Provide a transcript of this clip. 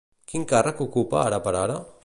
Quin càrrec ocupa ara per ara?